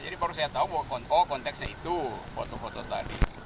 jadi baru saya tahu bahwa konteksnya itu foto foto tadi